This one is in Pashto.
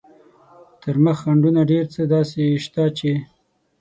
تر مخ خنډونه ډېر څه داسې شته چې.